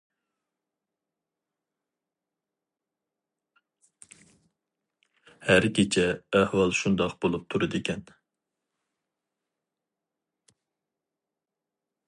ھەر كېچە ئەھۋال شۇنداق بولۇپ تۇرىدىكەن.